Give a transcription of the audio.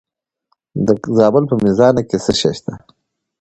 د زابل په میزانه کې څه شی شته؟